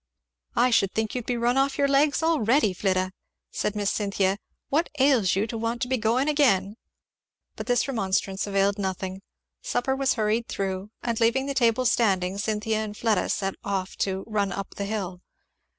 "I should think you'd be run off your legs already, Flidda," said Miss Cynthia; "what ails you to want to be going again?" But this remonstrance availed nothing. Supper was hurried through, and leaving the table standing Cynthia and Fleda set off to "run up the hill."